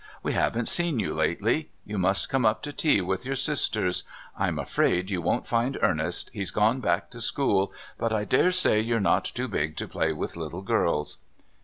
We haven't seen you lately. You must come up to tea with your sisters. I'm afraid you won't find Ernest, he's gone back to school but I dare say you're not too big to play with little girls."